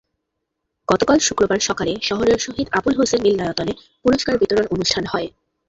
গতকাল শুক্রবার সকালে শহরের শহীদ আবুল হোসেন মিলনায়তনে পুরস্কার বিতরণ অনুষ্ঠান হয়।